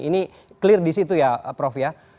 ini clear di situ ya prof ya